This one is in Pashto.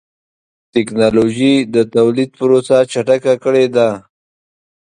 ټکنالوجي د تولید پروسه چټکه کړې ده.